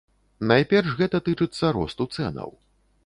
Найперш гэта тычыцца росту цэнаў.